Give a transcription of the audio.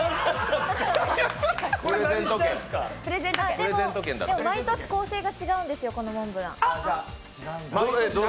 でも、毎年構成が違うんですよ、このモンブラン。